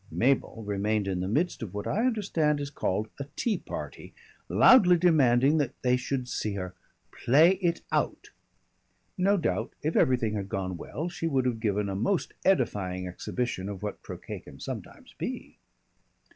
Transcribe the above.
Mabel remained in the midst of what I understand is called a tea party, loudly demanding that they should see her "play it out." No doubt if everything had gone well she would have given a most edifying exhibition of what croquet can sometimes be.